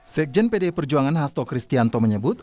sekjen pdi perjuangan hasto kristianto menyebut